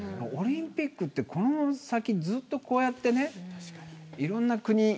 オリンピックってこの先ずっとこうやってねいろんな国。